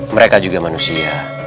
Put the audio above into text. mereka juga manusia